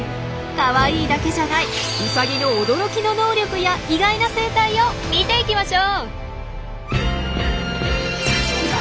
かわいいだけじゃないウサギの驚きの能力や意外な生態を見ていきましょう！